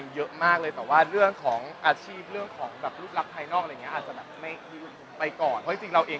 เราก็เรียกว่าเราเริ่มอยากไปแล้วแหละเพราะแม่เก่ากันทุกวัน